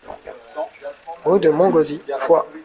Rue de Montgauzy, Foix